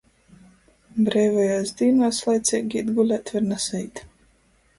Breivajuos dīnuos laiceigi īt gulēt var nasaīt...